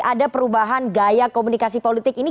ada perubahan gaya komunikasi politik ini